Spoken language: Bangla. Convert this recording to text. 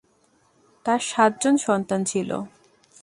তার সাতজন সন্তান ছিল।